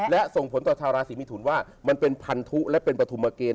และส่งผลต่อชาวราศีมิถุนว่ามันเป็นพันธุและเป็นปฐุมเกณฑ